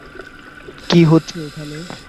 কি হচ্ছে এখানে।